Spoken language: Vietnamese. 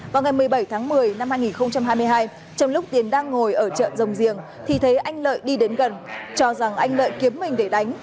vào ngày một mươi bảy tháng một mươi năm hai nghìn hai mươi hai trong lúc tiến đang ngồi ở chợ rồng giềng thì thấy anh lợi đi đến gần cho rằng anh lợi kiếm mình để đánh